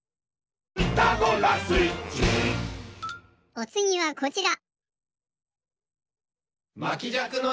おつぎはこちら。